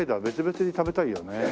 別々に食べたいよね。